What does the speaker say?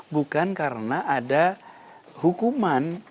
bukan karena ada hukuman